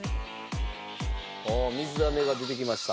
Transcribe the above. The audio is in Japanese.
おお水飴が出てきました。